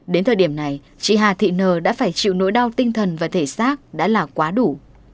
đến thời điểm này chị hà thị nờ đã phải chịu nỗi đau tinh thần và thể xác đã là quá đủ